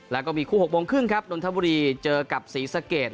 แล้วก็มีคู่๖โมงครึ่งครับนนทบุรีเจอกับศรีสะเกด